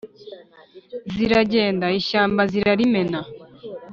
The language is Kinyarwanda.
ziragenda; ishyamba zirarimena